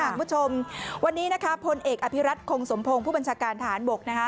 คุณผู้ชมวันนี้นะคะพลเอกอภิรัตคงสมพงศ์ผู้บัญชาการฐานบก